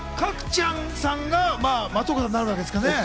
角ちゃんさんが松岡さんになるわけですかね。